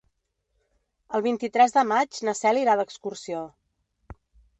El vint-i-tres de maig na Cel irà d'excursió.